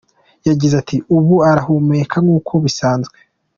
Yagize ati “Ubu arahumeka nk’uko bisanzwe.